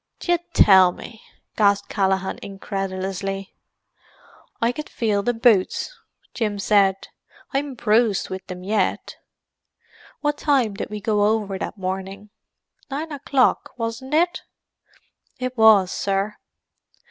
"D'ye tell me!" gasped Callaghan incredulously. "I could feel the boots," Jim said. "I'm bruised with them yet. What time did we go over that morning?—nine o'clock, wasn't it?" "It was, sir."